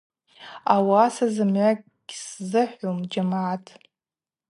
Ауаса зымгӏва гьсзыхӏвум, джьамгӏат.